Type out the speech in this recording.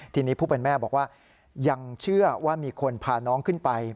ทีนี้ผู้เป็นแม่บอกว่ายังเชื่อว่ามีคนพาน้องขึ้นไป